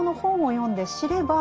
読んで知れば。